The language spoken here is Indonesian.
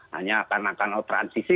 hanya karena transisi